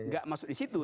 saya nggak masuk di situ